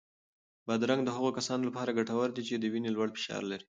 بادرنګ د هغو کسانو لپاره ګټور دی چې د وینې لوړ فشار لري.